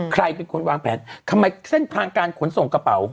ใครเป็นคนวางแผนทำไมเส้นทางการขนส่งกระเป๋า